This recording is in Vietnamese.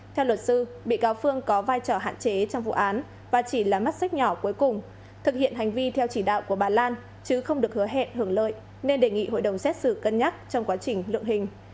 theo luật sư bị cáo phương có vai trò hạn chế trong vụ án và chỉ là mắt xích nhỏ cuối cùng thực hiện hành vi theo chỉ đạo của bà lan chứ không được hứa hẹn hưởng lợi nên đề nghị hội đồng xét xử cân nhắc trong quá trình lượng hình